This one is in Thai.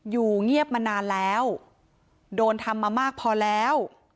อยู่เงียบมานานแล้วโดนทำมามากพอแล้ว